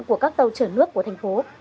của các tàu chở nước của thành phố